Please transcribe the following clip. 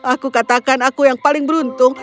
aku katakan aku yang paling beruntung